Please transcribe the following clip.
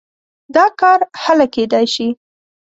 دا کار هله کېدای شي.